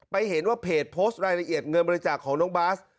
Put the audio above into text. เห็นว่าเพจโพสต์รายละเอียดเงินบริจาคของน้องบาส